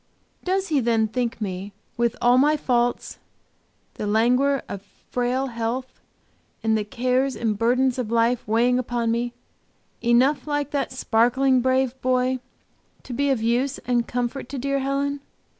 Does he then think me, with all my faults, the languor of frail health, and the cares and burdens of life weighing upon me, enough like that sparkling, brave boy to be of use and comfort to dear Helen?